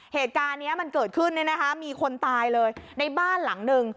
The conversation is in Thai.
เหตุการณ์นี้มันเกิดขึ้นเนี่ยนะคะมีคนตายเลยในบ้านหลังหนึ่ง